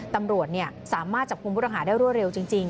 ตำรวจเนี่ยสามารถจับคุมบุตรอาหารได้เร็วจริง